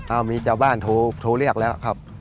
เอามีชาวบ้านโทรเรียกแล้วครับ